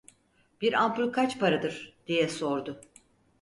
"Bir ampul kaç paradır?" diye sordu.